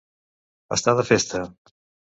Estar de festa.